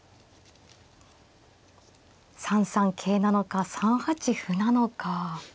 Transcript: ３三桂なのか３八歩なのか。